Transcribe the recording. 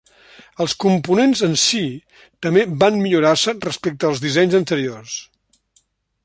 Els components en si també van millorar-se respecte als dissenys anteriors.